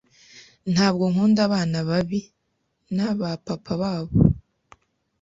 Ntabwo nkunda abana babi.naba papa babo